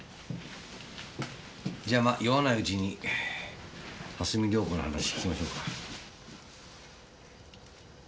じゃまあ酔わないうちに蓮見遼子の話聞きましょうか。